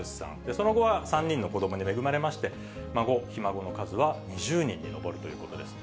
その後は３人の子どもに恵まれまして、孫、ひ孫の数は２０人に上るということです。